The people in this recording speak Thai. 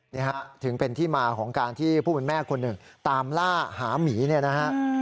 นี่ฮะถึงเป็นที่มาของการที่ผู้เป็นแม่คนหนึ่งตามล่าหาหมีเนี่ยนะฮะ